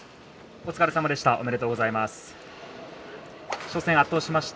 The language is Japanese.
お疲れさまでした。